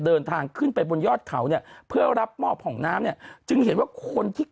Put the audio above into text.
เดินทางขึ้นไปบนยอดเขาเนี่ยเพื่อรับมอบผ่องน้ำเนี่ยจึงเห็นว่าคนที่